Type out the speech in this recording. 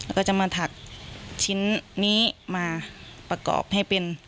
แล้วก็จะมาถักชิ้นนี้มาประกอบให้เป็น